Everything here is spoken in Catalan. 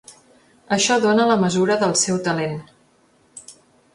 Això dona la mesura del seu talent.